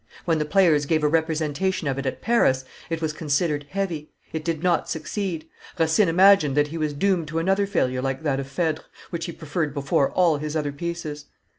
When the players gave a representation of it at Paris, it was considered heavy; it did not, succeed. Racine imagined that he was doomed to another failure like that of Phedre, which he preferred before all his other pieces.